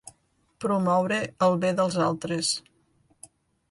Promoure el bé dels altres.